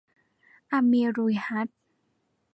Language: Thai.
อะมีรุ้ลฮัจย์